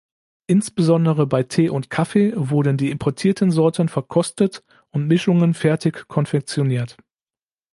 Insbesondere bei Tee und Kaffee wurden die importierten Sorten verkostet und Mischungen fertig konfektioniert.